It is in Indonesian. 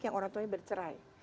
yang orang tuanya bercerai